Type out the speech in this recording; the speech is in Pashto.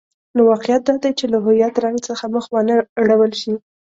نو واقعیت دادی چې له هویت رنګ څخه مخ وانه ړول شي.